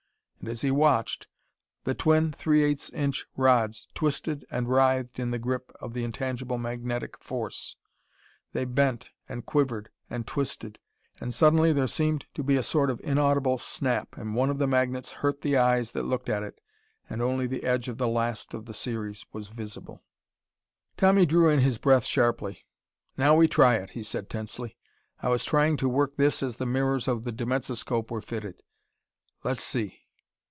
And as he watched, the twin three eighths inch rods twisted and writhed in the grip of the intangible magnetic force. They bent, and quivered, and twisted.... And suddenly there seemed to be a sort of inaudible snap, and one of the magnets hurt the eyes that looked at it, and only the edge of the last of the series was visible. Tommy drew in his breath sharply. "Now we try it," he said tensely. "I was trying to work this as the mirrors of the dimensoscope were fitted. Let's see."